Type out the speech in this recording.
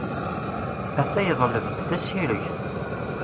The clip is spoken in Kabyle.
Atḥa yeḍleb-d tasiregt.